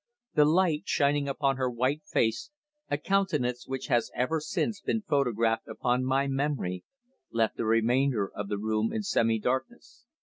The light, shining upon her white face a countenance which has ever since been photographed upon my memory left the remainder of the room in semi darkness.